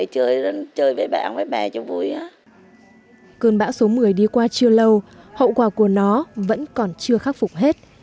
cơn bão số một mươi đi qua chưa lâu hậu quả của nó vẫn còn chưa khắc phục hết